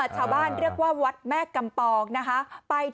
ถ่ายมาด้วย